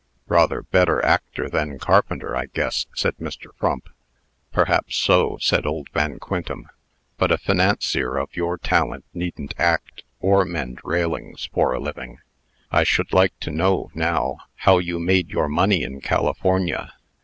"Rather better actor than carpenter, I guess," said Mr. Frump. "Perhaps so," said old Van Quintem; "but a financier of your talent needn't act, or mend railings, for a living. I should like to know, now, how you made your money in California.